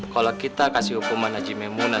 kalau kita kasih hukuman haji membuna